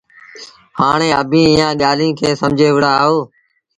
هآڻي اڀيٚنٚ ايٚئآنٚ ڳآليٚنٚ کي سمجھي وهُڙآ اهو